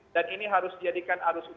dan ini harus dijadikan arus utama